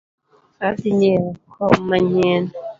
Adhi nyieo kom manyien